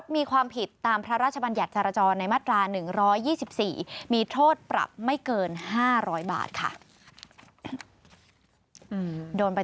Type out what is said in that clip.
มันอันตราย